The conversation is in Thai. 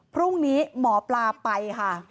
พรุ่งนี้หมอปลาไปค่ะ